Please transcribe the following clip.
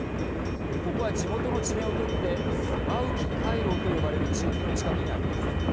ここは地元の地名を取ってスバウキ回廊と呼ばれる地域の近くにあります。